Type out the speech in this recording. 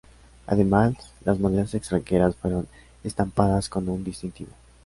Además, las monedas extranjeras fueron estampadas con un distintivo.